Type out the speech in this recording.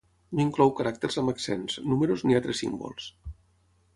No inclou caràcters amb accents, números ni altres símbols.